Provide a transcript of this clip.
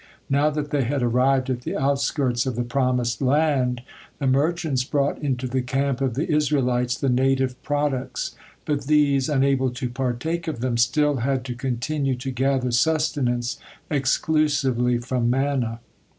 Now that they had arrived at the outskirts of the promised land, the merchants brought into the camp of the Israelites the native products, but these, unable to partake of them, still had to continue to gather sustenance exclusively from manna.